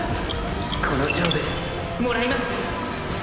この勝負もらいます